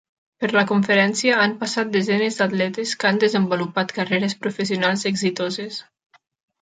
Per la conferència han passat desenes d'atletes que han desenvolupat carreres professionals exitoses.